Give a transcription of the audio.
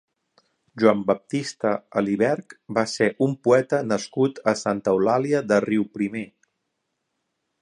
Joan Baptista Aliberch va ser un «Poeta» nascut a Santa Eulàlia de Riuprimer.